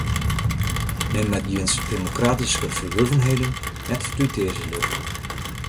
Men moat jins demokratyske ferwurvenheden net fertutearzje litte.